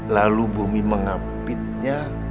lalu bumi mengapitnya